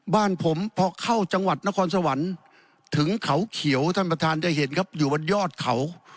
บ้านผมพอเข้าจังหวัดนครสวรรค์ถึงเขาเขียวท่านประธานจะเห็นครับอยู่บนยอดเขา